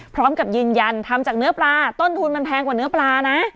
พร้อมกับยืนยันทำจากเนื้อปลาต้นทุนมันแพงกว่าเนื้อปลานะ